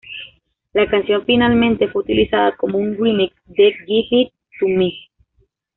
La canción finalmente fue utilizada como un remix de "Give It to Me".